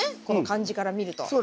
この感じから見ると。